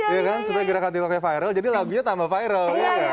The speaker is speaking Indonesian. iya kan supaya gerakan titoknya viral jadi lagunya tambah viral